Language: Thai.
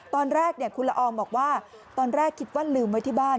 ตอนแรกคุณละอองบอกว่าตอนแรกคิดว่าลืมไว้ที่บ้าน